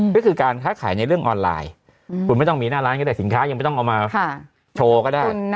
ก็คือการค้าขายในเรื่องออนไลน์คุณไม่ต้องมีหน้าร้านก็ได้สินค้ายังไม่ต้องเอามาโชว์ก็ได้